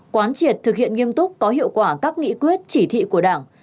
quán triệt thực hiện nghiêm túc có hiệu quả các nghị quyết chỉ thị của đảng